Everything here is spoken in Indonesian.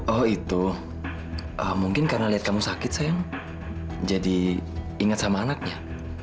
oh itu mungkin karena lihat kamu sakit saya jadi ingat sama anaknya